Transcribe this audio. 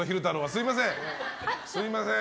すみません。